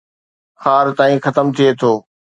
خار تائين ختم ٿئي ٿو